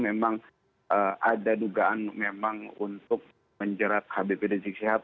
memang ada dugaan untuk menjerat habib rizik sihat